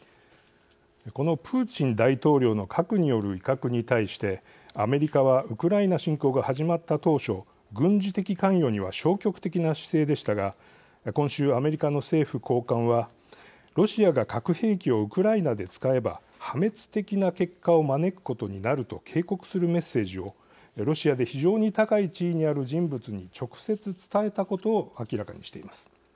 このプーチン大統領の核による威嚇に対してアメリカはウクライナ侵攻が始まった当初軍事的関与には消極的な姿勢でしたが今週、アメリカの政府高官は「ロシアが核兵器をウクライナで使えば破滅的な結果を招くことになる」と警告するメッセージをロシアで非常に高い地位にある人物に直接、伝えたことを明らかにしています。